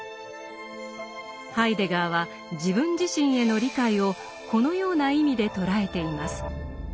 ハイデガーは自分自身への「理解」をこのような意味で捉えています。